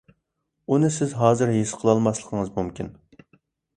ئۇنى سىز ھازىر ھېس قىلالماسلىقىڭىز مۇمكىن.